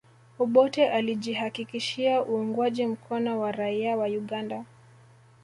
Obote alijihakikishia uungwaji mkono wa raia wa Uganda